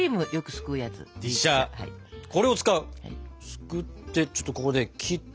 すくってちょっとここで切って。